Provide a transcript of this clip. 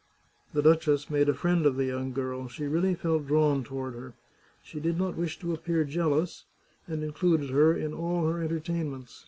" The duchess made a friend of the young girl ; she really felt drawn toward her. She did not wish to appear jealous, and included her in all her entertainments.